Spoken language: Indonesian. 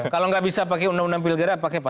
kalau tidak bisa pakai undang undang pilgera pakai ini